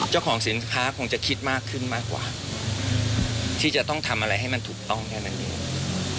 เจ้าของสินค้าคงจะคิดมากขึ้นมากกว่าที่จะต้องทำอะไรให้มันถูกต้องแค่นั้นเอง